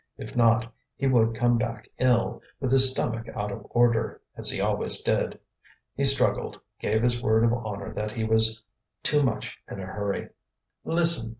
If not, he would come back ill, with his stomach out of order, as he always did. He struggled, gave his word of honour that he was too much in a hurry. "Listen!"